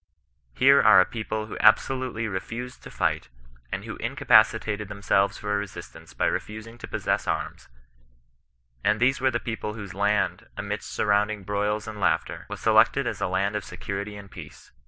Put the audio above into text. Here are a people who abso lutely refused to fight, and who incapacitated them selves for resistance by refusing to possess arms; and these were the people whose land, amidst surrounding broils and slaughter, was selected as a land of security and peace.